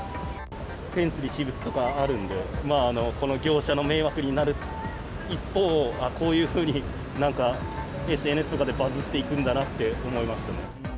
フェンスに私物とかあるんで、この業者の迷惑になるという一方、こういうふうになんか、ＳＮＳとかでバズっていくんだなって思いましたね。